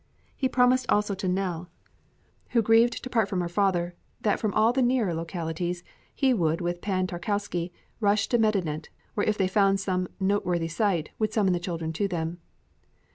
He promised also to Nell, who grieved to part from her father, that from all the nearer localities he would with Pan Tarkowski rush to Medinet, or if they found some noteworthy sight, would summon the children to them.